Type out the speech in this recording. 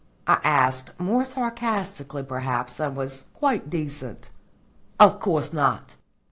I asked, more sarcastically perhaps than was quite decent. "Of course not.